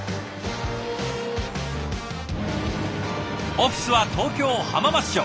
オフィスは東京・浜松町。